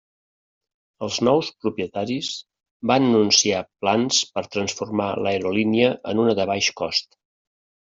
Els nous propietaris van anunciar plans per transformar l'aerolínia en una de baix cost.